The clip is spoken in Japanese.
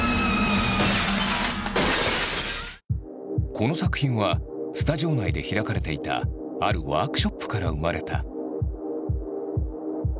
この作品はスタジオ内で開かれていたあるワークショップから生まれた。